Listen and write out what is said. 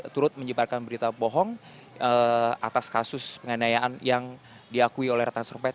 turut menyebarkan berita bohong atas kasus penganayaan yang diakui oleh ratna sorong pahit